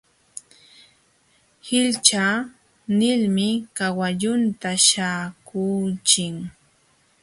Hishcha nilmi kawallunta śhaakuuchin.